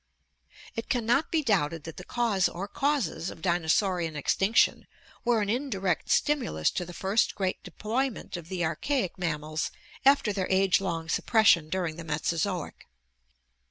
It can not be doubted that the cause or causes of dinosaurian ex tinction were an indirect stimulus to the first great deployment of the archaic mammals after their age long suppression during the Mesozoic.